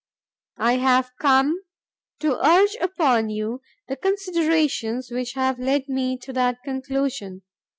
I have come to urge upon you the considerations which have led me to that conclusion.